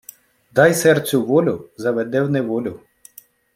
Дай серцю волю — заведе в неволю.